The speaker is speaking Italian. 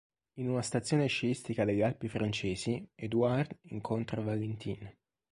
In una stazione sciistica delle Alpi francesi, Edouard incontra Valentine.